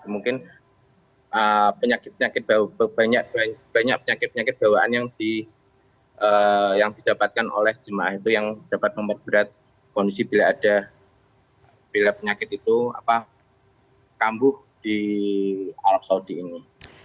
mungkin banyak penyakit penyakit bawaan yang didapatkan oleh jemaah itu yang dapat membuat berat kondisi bila penyakit itu kampuh di arab saudi ini